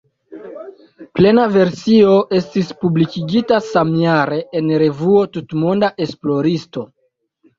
Plena versio estis publikigita samjare en revuo "Tutmonda esploristo".